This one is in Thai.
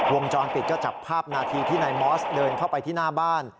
วงจรปิดก็จับภาพนาทีที่นายมอสเดินเข้าไปที่หน้าบ้าน